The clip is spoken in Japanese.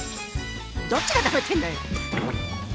どっちがなめてんのよ。